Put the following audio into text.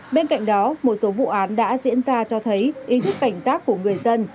bên cạnh đó một số vụ án đã diễn ra cho thấy ý thức cảnh giác của người dân